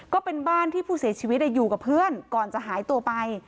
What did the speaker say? ก็เป็นบ้านที่ผู้เสียชีวิตอยู่กับเพื่อนก่อนจะหายตัวไป